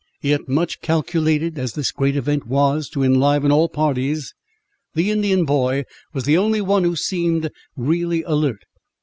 Yet much calculated as this great event was to enliven all parties, the Indian boy was the only one who seemed really alert.